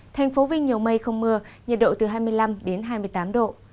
thành phố vinh nhiều mây không mưa nhiệt độ từ hai mươi năm đến hai mươi tám độ